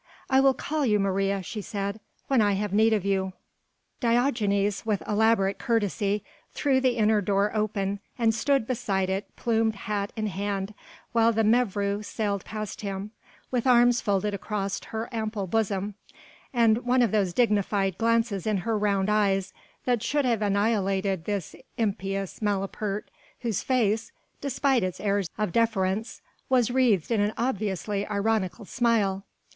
"I will call you, Maria," she said, "when I have need of you." Diogenes with elaborate courtesy threw the inner door open, and stood beside it plumed hat in hand while the mevrouw sailed past him, with arms folded across her ample bosom, and one of those dignified glances in her round eyes that should have annihilated this impious malapert, whose face despite its airs of deference, was wreathed in an obviously ironical smile.